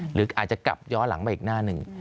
หรืออาจจะกลับย้อนหลังไปอีกหน้าหนึ่ง